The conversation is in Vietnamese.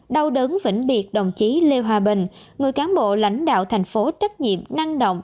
đau đớn vĩnh biệt đồng chí lê hòa bình người cán bộ lãnh đạo thành phố trách nhiệm năng động